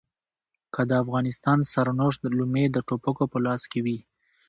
که د افغانستان د سرنوشت لومې د ټوپکو په لاس کې وي.